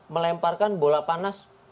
melemparkan bola panas